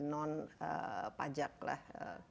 non pajak lah